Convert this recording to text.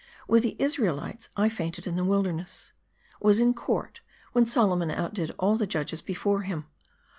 With the Israelites, I fainted in the wilderness ; was in court, when Solomon outdid all the judges before him.